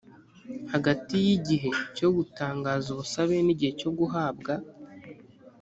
hagati y igihe cyo gutangaza ubusabe n igihe cyo guhabwa